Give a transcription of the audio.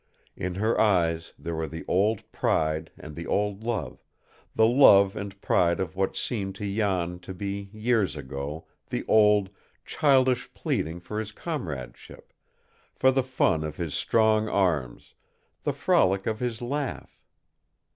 In her eyes there were the old pride and the old love, the love and pride of what seemed to Jan to be, years ago, the old, childish pleading for his comradeship, for the fun of his strong arms, the frolic of his laugh.